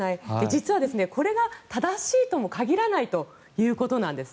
実はこれが正しいとも限らないということなんです。